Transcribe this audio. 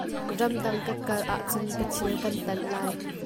Ramdang ka kal ahcun ka thil ka'an tanh lai.